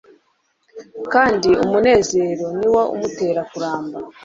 kandi umunezero ni wo umutera kuramba